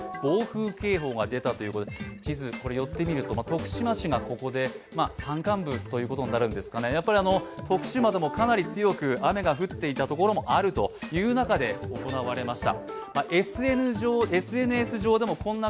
徳島市がここで、山間部ということになるんですかね、やっぱり徳島でもかなり強く雨が降っていたところもあるという中で行われました。